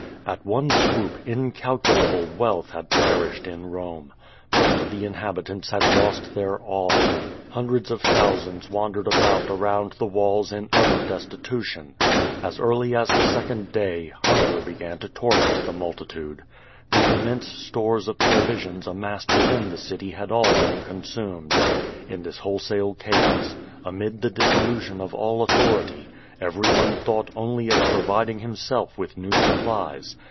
At one swoop incalculable wealth had perished in Rome. Most of the inhabitants had lost their all. Hundreds of thou sands wandered about around the walls in utter destitution. As early as the second day hunger began to torment the mul titude. The immense stores of provisions amassed within the city had all been consumed. In this wholesale chaos, amid the dissolution of all authority, everyone thought only of providing himself with new supplies.